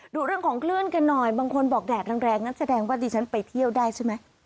ดูเรื่องของคลื่นกันหน่อยบางคนบอกแดดแรงงั้นแสดงว่าดิฉันไปเที่ยวได้ใช่ไหม